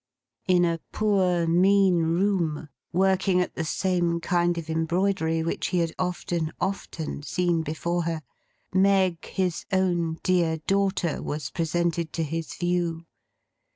In a poor, mean room; working at the same kind of embroidery which he had often, often seen before her; Meg, his own dear daughter, was presented to his view.